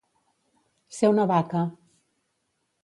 Ser una vaca.